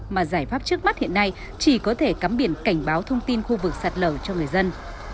mà giải pháp trước mắt hiện nay chỉ có thể cắm biển cảnh báo thông tin khu vực sạt lở cho người dân